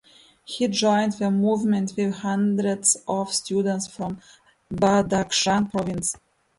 He joined the movement with hundreds of students from Badakhshan Province.